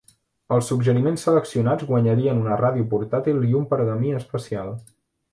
Els suggeriments seleccionats guanyarien una ràdio portàtil i un pergamí especial.